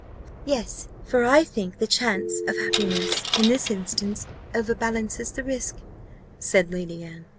"Yes; for I think the chance of happiness, in this instance, overbalances the risk," said Lady Anne.